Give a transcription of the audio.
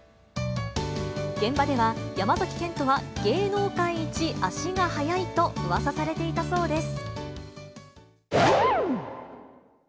現場では、山崎賢人は芸能界一足が速いとうわさされていたそうです。